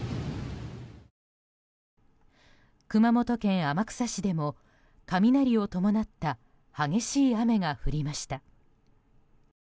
熊本県天草市でも雷を伴った激しい雨が降りました。